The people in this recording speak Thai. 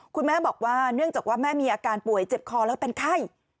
คุณแม่บอกว่าเนื่องจากว่าแม่มีอาการป่วยเจ็บคอแล้วเป็นไข้